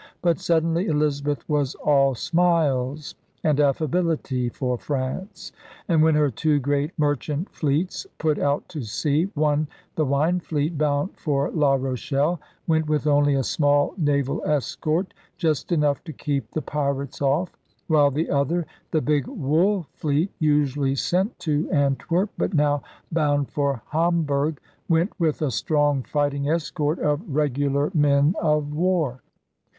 But suddenly Elizabeth was all smiles and affability for France. And when her two great merchant fleets put out to sea, one, the wine fleet, bound for La Rochelle, went with only a small naval escort, just enough to keep the pirates off; while the other, the big wool fleet, usually sent to Antwerp but now bound for Hamburg, went with a strong fighting escort of regular men of war.